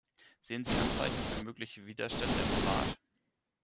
Sehen Sie Anzeichen für mögliche Widerstände im Rat?